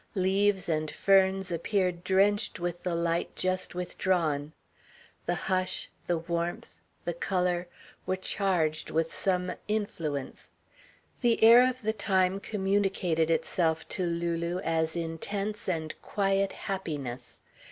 Leaves and ferns appeared drenched with the light just withdrawn. The hush, the warmth, the colour, were charged with some influence. The air of the time communicated itself to Lulu as intense and quiet happiness.